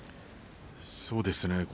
そうですね